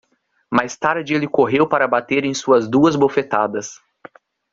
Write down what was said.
Mais tarde ele correu para bater em suas duas bofetadas